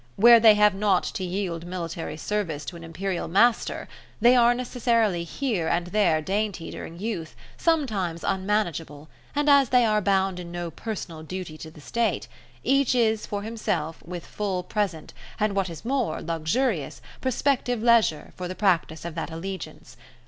Where they have not to yield military service to an Imperial master, they are necessarily here and there dainty during youth, sometimes unmanageable, and as they are bound in no personal duty to the State, each is for himself, with full present, and what is more, luxurious, prospective leisure for the practice of that allegiance.